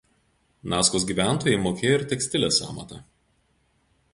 Naskos gyventojai mokėjo ir tekstilės amatą.